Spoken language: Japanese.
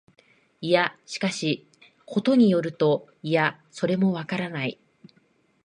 いや、しかし、ことに依ると、いや、それもわからない、